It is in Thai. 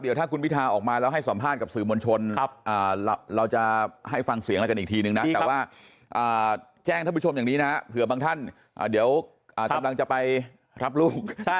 เดี๋ยวถ้าคุณพิทาออกมาแล้วให้สัมภาษณ์กับสื่อมวลชนเราจะให้ฟังเสียงอะไรกันอีกทีนึงนะแต่ว่าแจ้งท่านผู้ชมอย่างนี้นะเผื่อบางท่านเดี๋ยวกำลังจะไปรับลูก